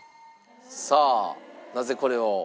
さあなぜこれを？